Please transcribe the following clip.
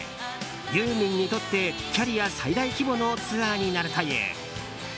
ユーミンにとってキャリア最大規模のツアーになるという。